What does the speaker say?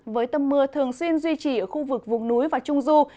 với tâm mưa thường xuyên duy trì ở khu vực vùng núi và trung du